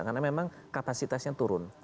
karena memang kapasitasnya turun